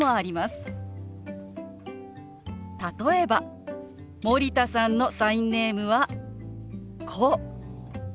例えば森田さんのサインネームはこう。